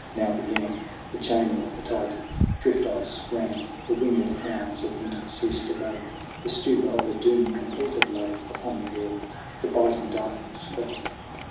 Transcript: Now began The chaining of the Titan. Drift ice ran. The winged hounds of Winter ceased to bay. The stupor of a doom completed lay Upon the world. The biting darkness fell.